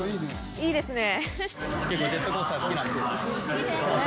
いいですね。